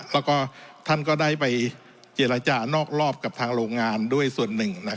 แล้วก็ท่านก็ได้ไปเจรจานอกรอบกับทางโรงงานด้วยส่วนหนึ่ง